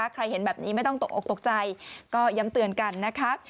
ใครเห็นแบบนี้ไม่ต้องตกออกตกใจก็ย้ำเตือนกันนะคะ